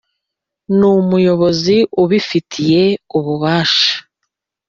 nu muyobozi ubifitiye ububasha: